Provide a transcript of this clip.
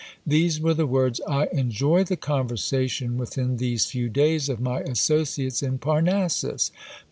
These were the words: "I enjoy the conversation within these few days of my associates in Parnassus.